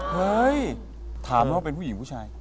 เฮ้ยถามว่าเป็นผู้หญิงผู้ชาย